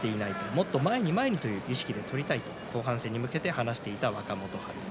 もっと前に前にという意識で取りたいと後半戦に向けて話していた若元春です。